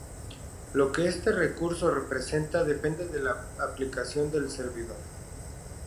Lo que este recurso representa depende de la aplicación del servidor.